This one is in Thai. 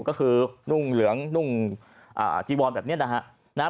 ก็คือนุ่งเหลืองนุ่งจีวอนแบบนี้นะฮะ